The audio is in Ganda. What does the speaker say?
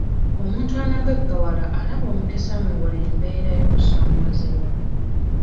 Omuntu anaagaggawala alaba omukisa mu buli mbeera y'okusoomoozebwa.